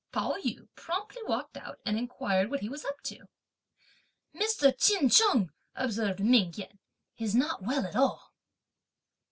Pao yü promptly walked out and inquired what he was up to. "Mr. Ch'in Chung," observed Ming Yen, "is not well at all."